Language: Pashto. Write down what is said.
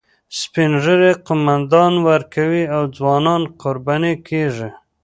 سپین ږیري قومانده ورکوي او ځوانان قرباني کیږي